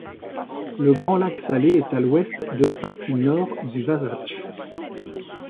Le Grand Lac Salé est à l'ouest de la partie nord du Wasatch.